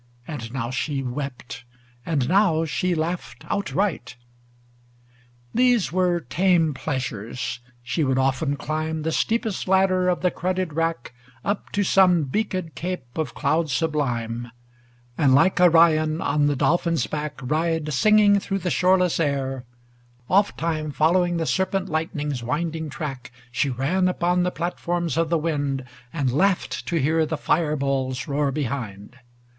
And now she wept, and now she laughed outright. 2┬╗0 THE WITCH OF ATLAS LV These were tame pleasures. She would often climb The steepest ladder of the crudded rack Up to some beaked cape of cloud sublime, Aud like Arion on the dolphin's back Ride singing through the shoreless air; oft time Following the serpent lightning's winding track, She ran upon the platforms of the wind, And laughed to hear the fire balls roar be hind.